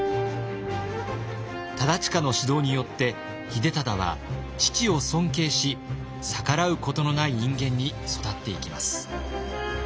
忠隣の指導によって秀忠は父を尊敬し逆らうことのない人間に育っていきます。